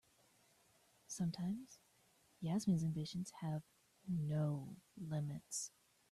Sometimes Yasmin's ambitions have no limits.